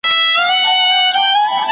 ¬ په ډېرو ئې لېوني خوشاله کېږي.